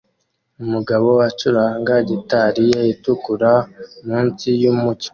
Umugabo acuranga gitari ye itukura munsi yumucyo